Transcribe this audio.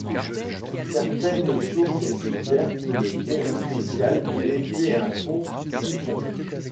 Certaines sources suggère que le pont initial eut été un pont siphon.